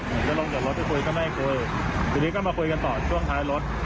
ผมจะลงจากรถไปคุยก็ไม่คุยทีนี้ก็มาคุยกันต่อช่วงท้ายรถ